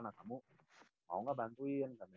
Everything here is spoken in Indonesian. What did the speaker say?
nah kamu mau gak bantuin katanya gitu